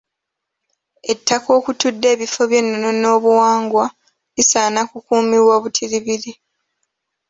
Ettaka okutudde ebifo by’ennono n’obuwangwa lisaana kukuumibwa butiribiri.